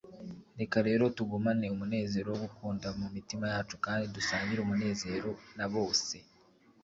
reka rero tugumane umunezero wo gukunda mumitima yacu kandi dusangire umunezero na bose